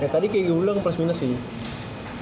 ya tadi kayak gulang plus minus aja ya